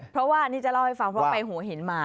เพราะว่านี่จะเล่าให้ฟังเพราะไปหัวหินมา